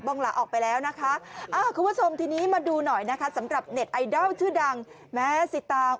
งหลาออกไปแล้วนะคะคุณผู้ชมทีนี้มาดูหน่อยนะคะสำหรับเน็ตไอดอลชื่อดังแม้สิตา